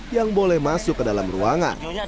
yang boleh masuk ke dalam ruangan